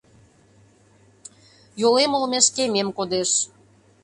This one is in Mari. Йолем олмеш кемем кодеш